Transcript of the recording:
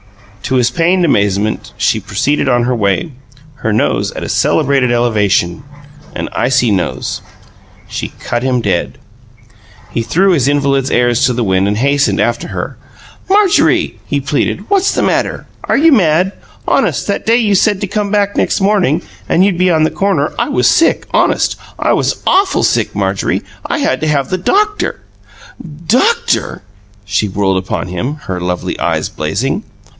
To his pained amazement, she proceeded on her way, her nose at a celebrated elevation an icy nose. She cut him dead. He threw his invalid's airs to the winds, and hastened after her. "Marjorie," he pleaded, "what's the matter? Are you mad? Honest, that day you said to come back next morning, and you'd be on the corner, I was sick. Honest, I was AWFUL sick, Marjorie! I had to have the doctor " "DOCTOR!" She whirled upon him, her lovely eyes blazing.